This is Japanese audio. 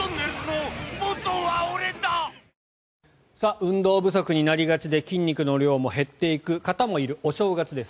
運動不足になりがちで筋肉の量が減っていく方もいるお正月です。